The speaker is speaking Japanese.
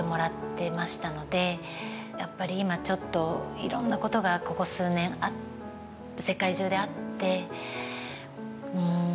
やっぱり今ちょっといろんなことがここ数年世界中であって。